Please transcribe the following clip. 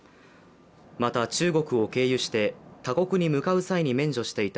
また中国を経由して他国に向かう際に免除していた